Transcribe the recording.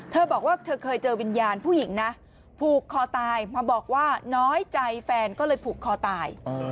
เธอบอกว่าเธอเคยเจอวิญญาณผู้หญิงนะผูกคอตายมาบอกว่าน้อยใจแฟนก็เลยผูกคอตาย